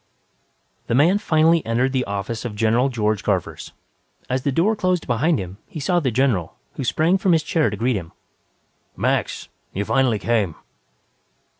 _ The man finally entered the office of General George Garvers. As the door closed behind him, he saw the general, who sprang from his chair to greet him. "Max! You finally came."